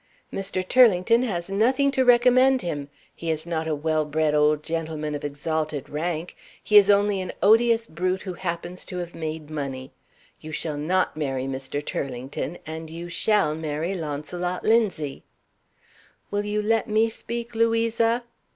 "Mr. Turlington has nothing to recommend him. He is not a well bred old gentleman of exalted rank. He is only an odious brute who happens to have made money. You shall not marry Mr. Turlington. And you shall marry Launcelot Linzie." "Will you let me speak, Louisa?"